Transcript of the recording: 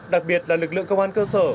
đặc biệt là lực lượng công an cơ sở